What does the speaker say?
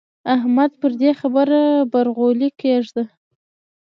احمده پر دې خبره برغولی کېږده.